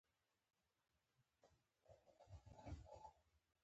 له خپلو ناکامیو باید زده کړه وکړو.